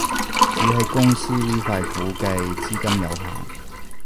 只係公司呢塊估計資金有限